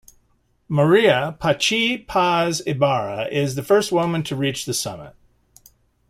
Maria "Pachi" Paz Ibarra is the first woman to reach the summit.